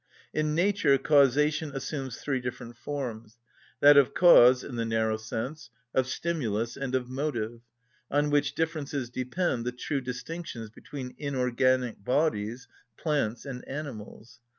In nature causation assumes three different forms; that of cause in the narrow sense, of stimulus, and of motive, on which differences depend the true distinctions between inorganic bodies, plants, and animals.